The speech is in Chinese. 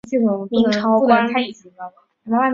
明朝官吏。